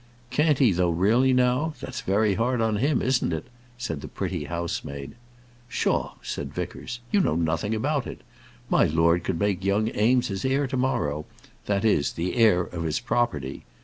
"Can't he though really, now? That's very hard on him; isn't it?" said the pretty housemaid. "Psha," said Vickers: "you know nothing about it. My lord could make young Eames his heir to morrow; that is, the heir of his property.